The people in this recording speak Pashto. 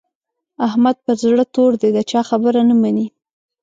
احمد پر زړه تور دی؛ د چا خبره نه مني.